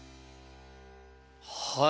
はい。